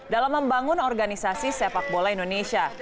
dalam membangun organisasi sepak bola indonesia